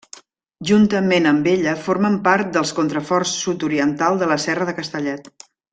Juntament amb ella formen part dels contraforts sud-oriental de la Serra de Castellet.